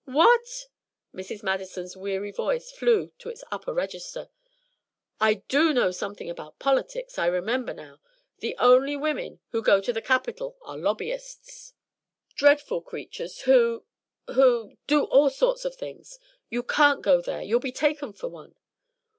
"What!" Mrs. Madison's weary voice flew to its upper register. "I do know something about politics I remember now the only women who go to the Capitol are lobbyists dreadful creatures who who do all sorts of things. You can't go there; you'll be taken for one."